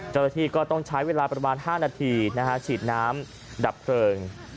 เจ้าหน้าที่ก็ต้องใช้เวลาประมาณ๕นาทีฉีดน้ำดับเพลิง